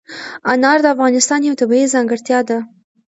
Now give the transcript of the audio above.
انار د افغانستان یوه طبیعي ځانګړتیا ده.